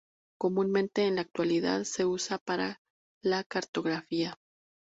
Comúnmente en la actualidad se usan para la cartografía.